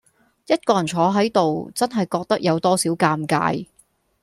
一個人坐喺度，真係覺得有多少尷尬